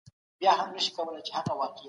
رښتيني انسان خپل ږغ د حق له پاره پورته کړی دی.